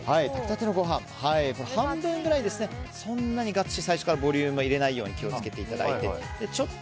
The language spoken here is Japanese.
半分くらい、そんなにがっつり最初からボリューム入れないよう気を付けていただいて。